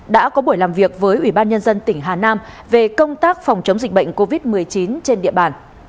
đã có buổi làm việc với ubnd tp hà nam về công tác phòng chống dịch bệnh covid một mươi chín trên địa bàn